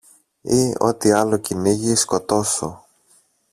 ή ό,τι άλλο κυνήγι σκοτώσω